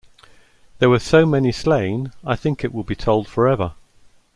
There were so many slain I think it will be told forever.